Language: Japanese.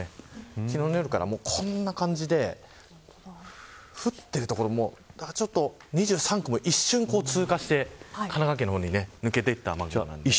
昨日の夜から、こんな感じで降っている所２３区も一瞬通過して神奈川の方に抜けていきました。